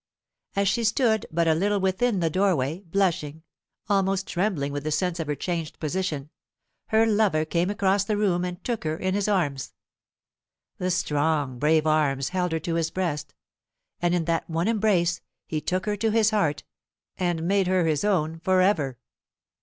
As she stood but a little within the doorway, blushing, almost trembling with the sense of her changed position, her lover came across the room and took her in his arms. The strong brave arms held her to his breast; and in that one embrace he took her to his heart, and made her his own for ever.